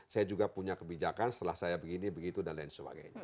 saya juga punya kebijakan setelah saya begini begitu dan lain sebagainya